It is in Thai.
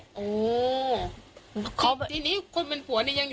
ไม่คนเป็นผัวเขาแทงเมียแล้วก็หนีไปเลย